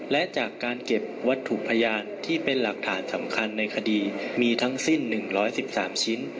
และจากการเก็บวัตถุพยานที่เป็นหลักฐานสำคัญในคดีมีทั้งสิ้น๑๑๓ชิ้น